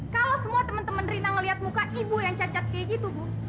kalau semua temen temen rina ngeliat muka ibu yang cacat kayak gitu bu